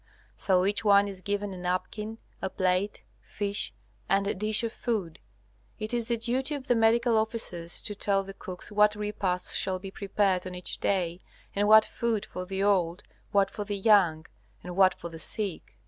So each one is given a napkin, a plate, fish, and a dish of food. It is the duty of the medical officers to tell the cooks what repasts shall be prepared on each day, and what food for the old, what for the young, and what for the sick.